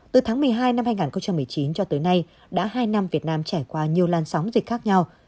từ tháng một mươi hai năm hai nghìn một mươi chín cho tới nay đã hai năm việt nam trải qua nhiều lan sóng dịch khác nhau